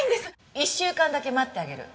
１週間だけ待ってあげる。